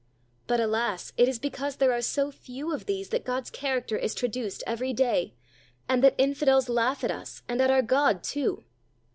But, alas! it is because there are so few of these that God's character is traduced every day, and that infidels laugh at us and at our God, too.